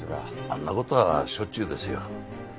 あんな事はしょっちゅうですよ。